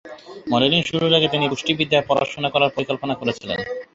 Modelling শুরুর আগে তিনি পুষ্টিবিদ্যায় পড়াশোনা করার পরিকল্পনা করেছিলেন।